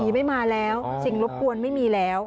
ไม่มาแล้วสิ่งรบกวนไม่มีแล้ว